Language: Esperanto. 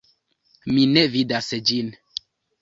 Mi ne vidas ĝin.